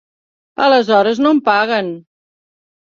Aleshores no em paguen.